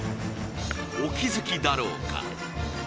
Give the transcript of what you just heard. お気づきだろうか。